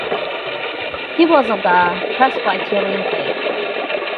He was of the Presbyterian faith.